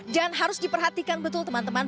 dan harus diperhatikan betul teman teman